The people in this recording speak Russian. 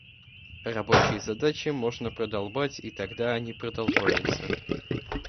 Рабочие задачи можно продолбать и тогда они продолбаются.